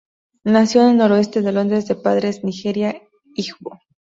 Nació en el noroeste de Londres de padres Nigeria-Igbo.